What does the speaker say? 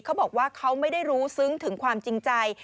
เขาบอกว่าเขาไม่ได้รู้ซึ้งถึงความจริงใจ